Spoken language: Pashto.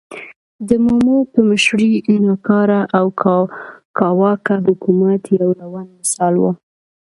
د مومو په مشرۍ ناکاره او کاواکه حکومت یو روڼ مثال و.